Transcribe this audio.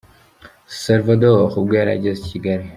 Salvador ubwo yari ageze i Kigali.